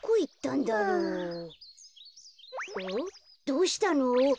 どうしたの？